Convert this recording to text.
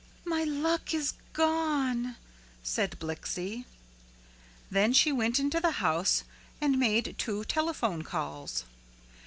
"My luck is gone," said Blixie. Then she went into the house and made two telephone calls.